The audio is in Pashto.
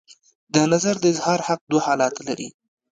د نظر د اظهار حق دوه حالته لري.